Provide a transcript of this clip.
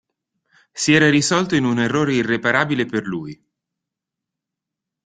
Si era risolto in un errore irreparabile per lui.